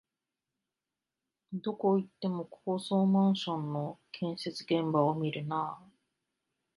どこ行っても高層マンションの建設現場を見るなあ